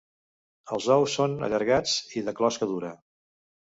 Els ous són allargats i de closca dura.